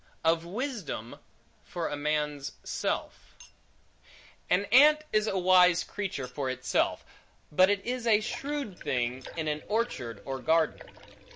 Of Wisdom For A Man's Self AN ANT is a wise creature for itself, but it is a shrewd thing, in an orchard or garden.